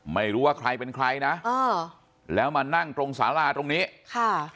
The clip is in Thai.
ไม่รู้ว่าใครเป็นใครนะเออแล้วมานั่งตรงสาราตรงนี้ค่ะ